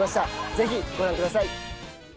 ぜひご覧ください。